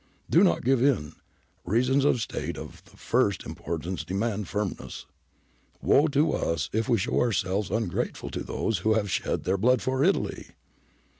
Do not give in. Reasons of State of the first importance demand firmness. Woe to us if we show ourselves ungrateful to those who have shed their blood for Italy